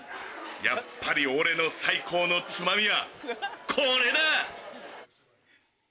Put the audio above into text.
やっぱり俺の最高のつまみはこれだ！